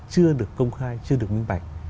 chưa được công khai chưa được minh bạch